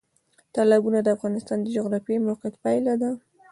تالابونه د افغانستان د جغرافیایي موقیعت پایله ده.